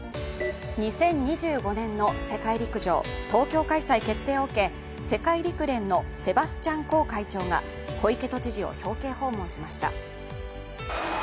２０２５年の世界陸上東京開催決定を受け世界陸連のセバスチャン・コー会長が小池都知事を表敬訪問しました。